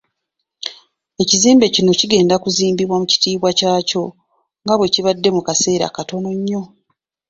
Ekizimbe kino kigenda kunzimbibwa mu kitiibwa kyakyo nga bwe kibadde mu kaseera katono nnyo.